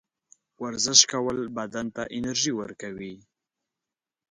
ورزش کول بدن ته انرژي ورکوي.